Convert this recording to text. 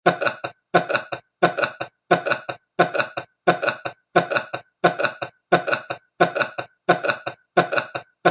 Carreras has received numerous awards and distinctions for both his artistic and humanitarian work.